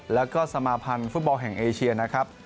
และก็สมาธารฟุตบอลแห่งเอเชียนนะครับ